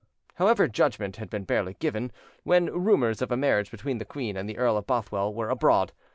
However, judgment had been barely given, when rumours of a marriage between the queen and the Earl of Bothwell were abroad.